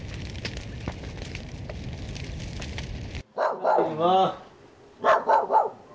・ただいま。